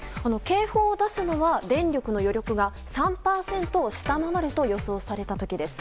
警報を出すのは電力の余力が３％下回ると予想された時です。